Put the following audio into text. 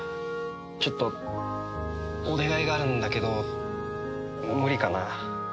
ちょっとお願いがあるんだけど無理かな？